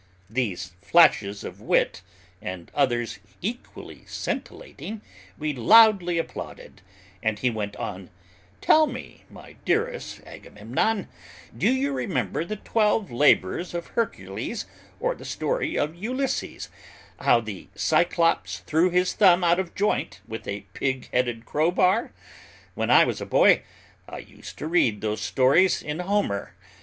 These flashes of wit, and others equally scintillating, we loudly applauded, and he went on: "Tell me, my dearest Agamemnon, do you remember the twelve labors of Hercules or the story of Ulysses, how the Cyclops threw his thumb out of joint with a pig headed crowbar? When I was a boy, I used to read those stories in Homer.